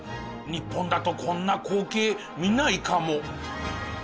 日本だとこんな光景見ないかも。